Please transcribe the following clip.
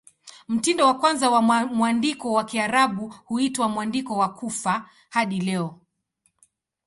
Mtindo wa kwanza wa mwandiko wa Kiarabu huitwa "Mwandiko wa Kufa" hadi leo.